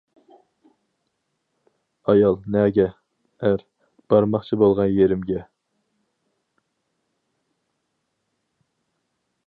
ئايال: نەگە؟ ئەر: بارماقچى بولغان يېرىمگە.